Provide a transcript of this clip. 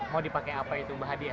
mau dipakai apa itu hadiah hadiahnya